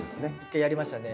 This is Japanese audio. １回やりましたね。